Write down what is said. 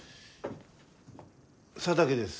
佐竹です。